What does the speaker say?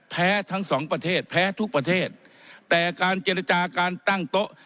ทั้งสองประเทศแพ้ทุกประเทศแต่การเจรจาการตั้งโต๊ะ